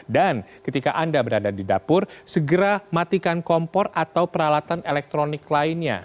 dan ketika anda berada di dapur segera matikan kompor atau peralatan elektronik lainnya